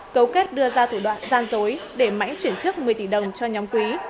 cấu kết đưa ra thủ đoạn gian dối để mãnh chuyển trước một mươi tỷ đồng cho nhóm quý